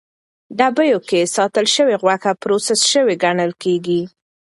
ډبیو کې ساتل شوې غوښه پروسس شوې ګڼل کېږي.